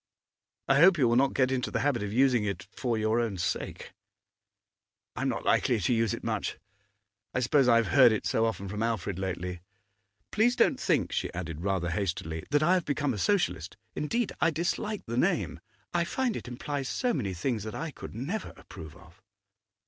I hope you will not get into the habit of using it for your own sake.' 'I am not likely to use it much. I suppose I have heard it so often from Alfred lately. Please don't think,' she added rather hastily, 'that I have become a Socialist. Indeed, I dislike the name; I find it implies so many things that I could never approve of.